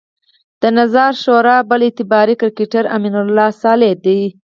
د نظار شورا بل اعتباري کرکټر امرالله صالح دی.